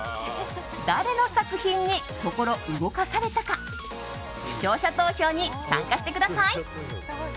誰の作品に心動かされたか視聴者投票に参加してください。